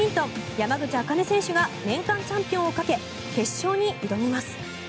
山口茜選手が年間チャンピオンをかけ決勝に挑みます。